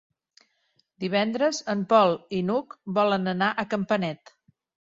Divendres en Pol i n'Hug volen anar a Campanet.